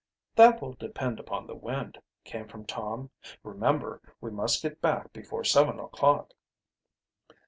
"That will depend upon the wind," came from Tom. "Remember, we must get back before seven o'clock."